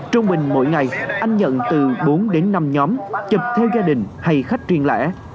trung bình mỗi ngày anh nhận từ bốn đến năm nhóm chụp theo gia đình hay khách truyền lẽ